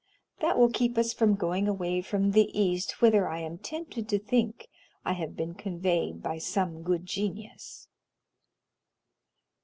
That will keep us from going away from the East whither I am tempted to think I have been conveyed by some good genius."